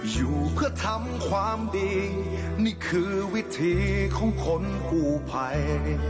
อยู่อย่างมีเกียรติอยู่อย่างมีศักดิ์ศรี